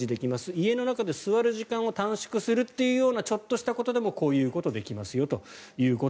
家の中で座る時間を短縮するなどちょっとしたことでもこういうことができますよと。